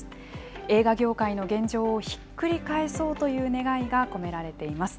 映画業界の現状をひっくり返そうという願いが込められています。